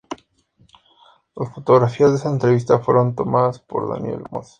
Las fotografías de esa entrevista fueron tomadas por Daniel Moss.